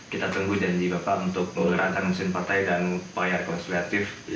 kita tunggu janji bapak untuk menggerakkan musim partai dan pelayar konsulatif